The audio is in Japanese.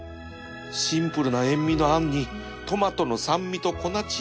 シンプルな塩味のあんにトマトの酸味と粉チーズが寄り添う